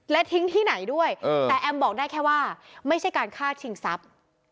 และทิ้งที่ไหนด้วยแต่แอมบอกได้แค่ว่าไม่ใช่การฆ่าชิงทรัพย์